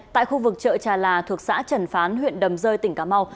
tại khu vực chợ trà là thuộc xã trần phán huyện đầm rơi tỉnh cà mau